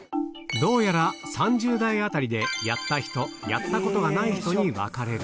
どうやら３０代あたりで、やった人、やったことがない人に分かれる。